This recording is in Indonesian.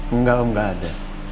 enggak om enggak ada